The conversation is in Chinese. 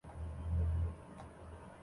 福坦莫法学院授予法律博士学位。